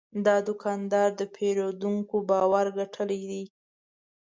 دا دوکاندار د پیرودونکو باور ګټلی دی.